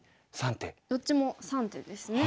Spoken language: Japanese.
どっちも３手ですね。